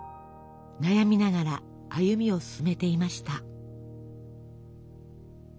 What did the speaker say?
悩みながら歩みを進めていました。